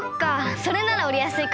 それならおりやすいかも。